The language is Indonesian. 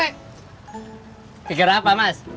keger apa mas